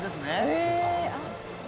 へえ！